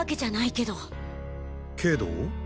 けど？